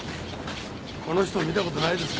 この人見た事ないですか？